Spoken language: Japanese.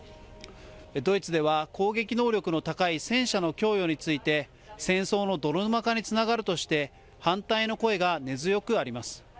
ドイツでは攻撃能力の高い戦車の供与について、戦争の泥沼化につながるとして、反対の声が根強くあります。